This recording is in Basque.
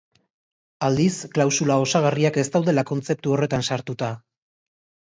Aldiz, klausula osagarriak ez daudela kontzeptu horretan sartuta.